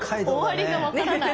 終わりがわからない。